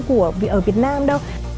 của ở việt nam đâu